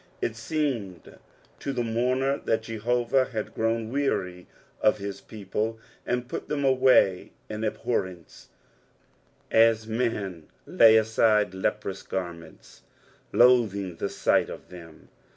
It seemed to the mourner that Jehovah had grown weary of his people and put them away in abhorrence, as men lay aside leprous Karments, loathing the sight of tbem.